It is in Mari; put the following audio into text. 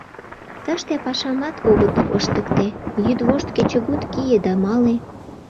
Тыште пашамат огыт ыштыкте, йӱдвошт-кечыгут кие да мале.